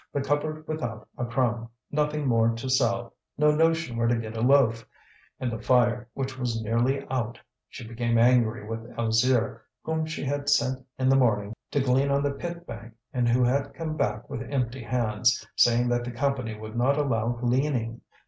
The cupboard without a crumb, nothing more to sell, no notion where to get a loaf! And the fire, which was nearly out! She became angry with Alzire, whom she had sent in the morning to glean on the pit bank, and who had come back with empty hands, saying that the Company would not allow gleaning.